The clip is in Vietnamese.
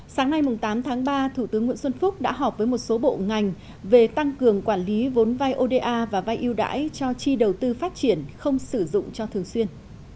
sáng nay tám tháng ba thủ tướng nguyễn xuân phúc đã họp với một số bộ ngành về tăng cường quản lý vốn vai oda và vay yêu đãi cho chi đầu tư phát triển không sử dụng cho thường xuyên